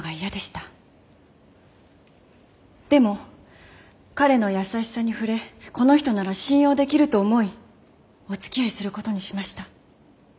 でも彼の優しさに触れこの人なら信用できると思いおつきあいすることにしました。